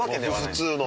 普通の。